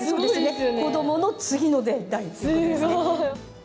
子どもの次の代とかですね。